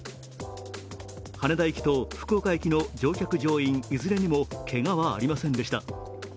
羽田行きと福岡行きの乗客・乗員いずれにもけがはありませんでした。